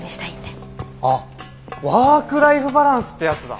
あっワークライフバランスってやつだ。